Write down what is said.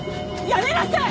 やめなさい！